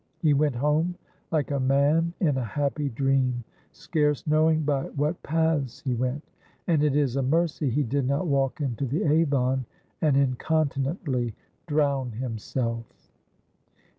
He Avent home like a man in a happy dream, scarce knowing by what paths he went ; and it is a mercy he did not walk into the Avon and incontinently drown himself.